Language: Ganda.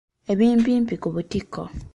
Ebimpimpi ku butiko.